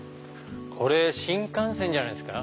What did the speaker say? これ新幹線じゃないっすか。